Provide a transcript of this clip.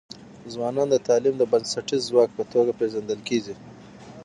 ځوانان د تعلیم د بنسټیز ځواک په توګه پېژندل کيږي.